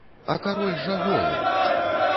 А кароль жа голы!